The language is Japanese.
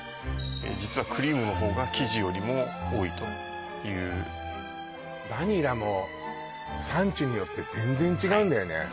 実はクリームの方が生地よりも多いというバニラも産地によって全然違うんだよね